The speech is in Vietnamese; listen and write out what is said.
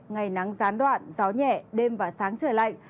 ngày nắng gián đoạn gió nhẹ đêm và sáng trời lạnh